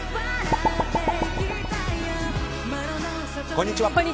こんにちは。